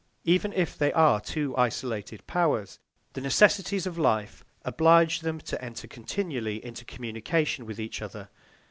Even if they are two isolated powers, the necessities of life oblige them to enter continually into communication with each other.